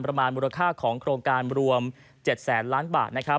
ประมาณรูปค่าของโครงการรวม๗๐๐ล้านบาท